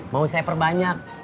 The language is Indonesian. mau saya perbanyak